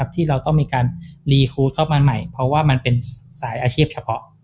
ที่เราต้องมีการลีคูดเข้ามาใหม่เพราะว่ามันเป็นสายอาชีพเฉพาะ